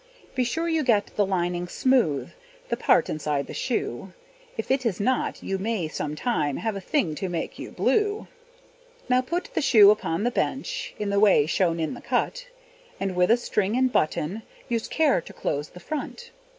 Be sure you get the lining smooth, The part inside the shoe; If it is not, you may sometime Have a thing to make you blue. Now put the shoe upon the bench, In the way shown in the cut; And with a string and button Use care to close the front.